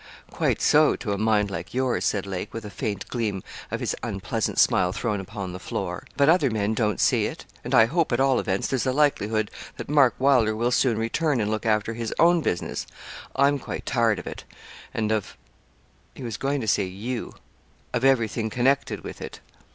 'Quite so, to a mind like yours,' said Lake, with a faint gleam of his unpleasant smile thrown upon the floor, 'but other men don't see it; and I hope, at all events, there's a likelihood that Mark Wylder will soon return and look after his own business I'm quite tired of it, and of' (he was going to say you) 'of everything connected with it.'